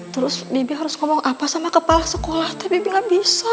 terus bibi harus ngomong apa sama kepala sekolah tapi bibi gak bisa